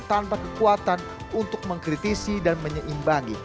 tanpa kekuatan untuk mengkritisi dan menyeimbangi